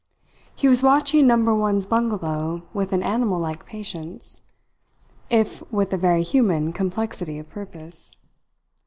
He was watching Number One's bungalow with an animal like patience, if with a very human complexity of purpose.